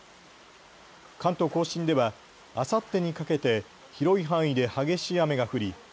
関東甲信ではあさってにかけて広い範囲で激しい雨が降り